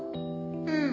うん。